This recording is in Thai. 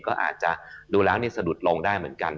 ก็อาจจะดูแล้วสะดุดลงได้เหมือนกัน